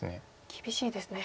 厳しいですね。